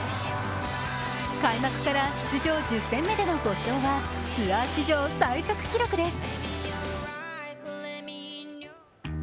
開幕から出場１０戦目での５勝はツアー史上最速記録です。